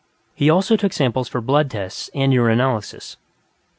He also took samples for blood tests and urinalysis.